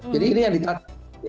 jadi ini yang ditata